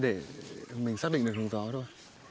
để mình xác định được hướng gió thôi